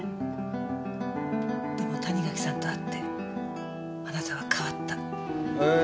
でも谷垣さんと会ってあなたは変わった。